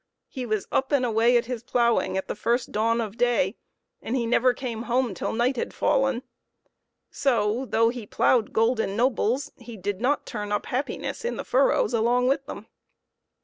He was up and away at his ploughing at the first dawn of day, and he never came home till night had fallen ; so, though he ploughed golden nobles, he did not turn up happiness in the furrows along with them.